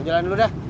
aku jalan dulu dah